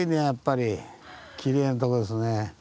きれいなとこですね。